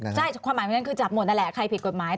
ใช่ความหมายคนนั้นคือจับหมดนั่นแหละใครผิดกฎหมาย